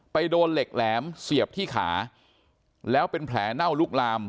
โดนเหล็กแหลมเสียบที่ขาแล้วเป็นแผลเน่าลุกลาม